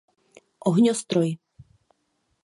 Ohňostroj.